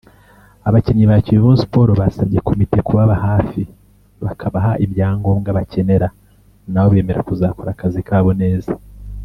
Abakinnyi ba Kiyovu Sports basabye komite kubaba hafi bakabaha ibyangombwa bakenera nabo bemera kuzakora akazi kabo neza